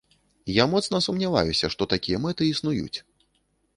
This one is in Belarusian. Я моцна сумняваюся, што такія мэты існуюць.